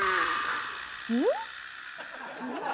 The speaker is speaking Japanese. うん？